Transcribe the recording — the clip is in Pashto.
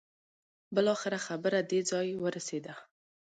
بالاخره خبره دې ځای ورسېده.